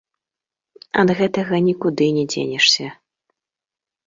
Ад гэтага нікуды не дзенешся.